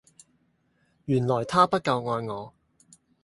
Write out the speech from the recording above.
原來她不夠愛我